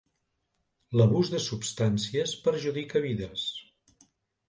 L'abús de substàncies perjudica vides.